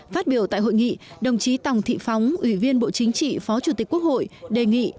phát biểu tại hội nghị đồng chí tòng thị phóng ủy viên bộ chính trị phó chủ tịch quốc hội đề nghị